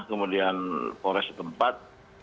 kemudian forest keempat